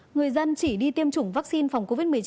người dân chỉ đi tiêm chủng vaccine phòng covid một mươi chín